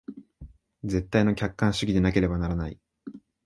絶対の客観主義でなければならない。